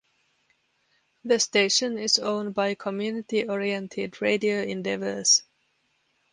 The station is owned by Community Oriented Radio Endeavours.